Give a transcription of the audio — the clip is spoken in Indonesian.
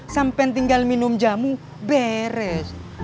sampai tinggal minum jamu beres